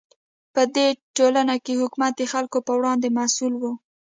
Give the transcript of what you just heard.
په دې ټولنه کې حکومت د خلکو په وړاندې مسوول و.